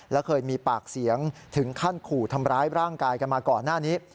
และเคยมีปากเสียงถึงขั้นขู่ทำร้ายร่างกายกันมาก่อนหน้านี้